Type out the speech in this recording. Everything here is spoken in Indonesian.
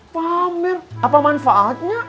pamer apa manfaatnya